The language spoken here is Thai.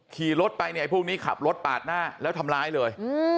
ขี่รถไปเนี่ยพวกนี้ขับรถปาดหน้าแล้วทำร้ายเลย